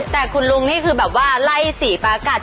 แต่คุณลุงนี่คือแบบว่าไล่สีฟ้ากัด